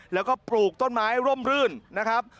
แล้วก็ปลูกต้นไม้ร่มรื่นนะครับ